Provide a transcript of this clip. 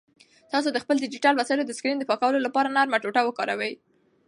تاسو د خپلو ډیجیټل وسایلو د سکرین د پاکولو لپاره نرمه ټوټه وکاروئ.